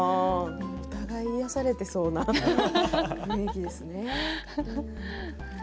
お互いに癒やされていそうな雰囲気ですね。